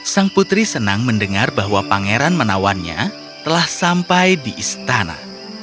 sang putri senang mendengar bahwa pangeran menawannya telah sampai di istana